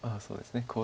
そうですね